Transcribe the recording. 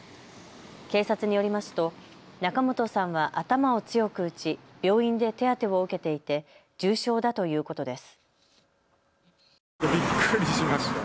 警察によりますと仲本さんは頭を強く打ち病院で手当てを受けていて重傷だということです。